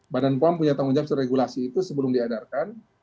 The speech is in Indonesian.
badan pom punya tanggung jawab seregulasi itu sebelum diedarkan